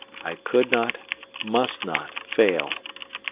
I could not must not fail.